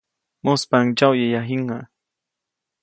Mujspaʼuŋ ndsyoʼyäya jiŋäʼ.